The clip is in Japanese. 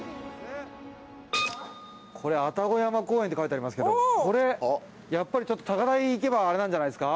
これ愛宕山公園って書いてありますけどこれやっぱりちょっと高台行けばあれなんじゃないですか？